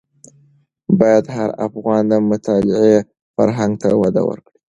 باید هر افغان د مطالعې فرهنګ ته وده ورکړي.